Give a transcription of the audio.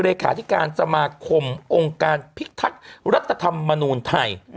เลขาธิการสมาคมองค์การพิทักษ์รัฐธรรมนูลไทย